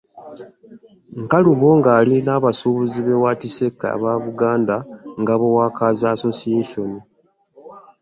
Nkalubo ng’ali n’abasuubuzi b’ewa Kisekka, aba Buganda Ngabo Workers Association.